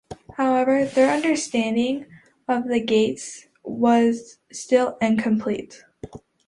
However, their understanding of the gates was still incomplete.